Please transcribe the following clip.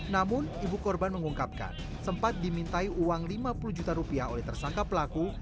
namun ibu korban mengungkapkan sempat dimintai uang lima puluh juta rupiah oleh tersangka pelaku